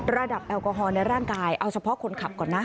แอลกอฮอลในร่างกายเอาเฉพาะคนขับก่อนนะ